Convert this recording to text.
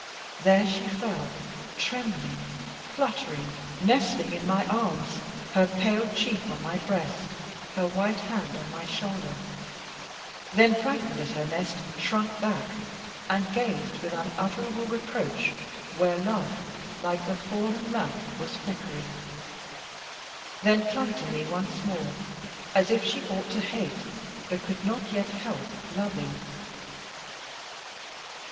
There she fell trembling, fluttering, nestling in my arms, her pale cheek on my breast, her white hand on my shoulder; then frightened at her nest shrunk back, and gazed with unutterable reproach, where love like the fallen lamp was flickering: then clung to me once more, as if she ought to hate, but could not yet help loving.